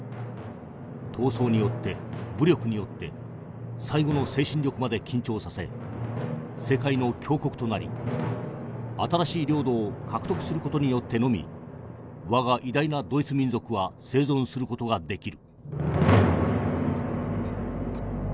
闘争によって武力によって最後の精神力まで緊張させ世界の強国となり新しい領土を獲得する事によってのみ我が偉大なドイツ民族は生存する事ができる」。